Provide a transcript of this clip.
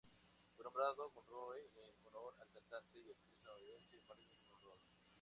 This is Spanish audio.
Fue nombrado Monroe en honor a la cantante y actriz estadounidense Marilyn Monroe.